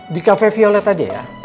di cafe violet tadi ya